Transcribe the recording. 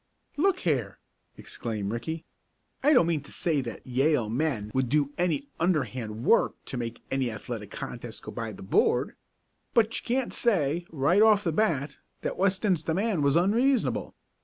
"Look here!" exclaimed Ricky. "I don't mean to say that Yale men would do any underhand work to make any athletic contest go by the board. But you can't say, right off the bat, that Weston's demand was unreasonable.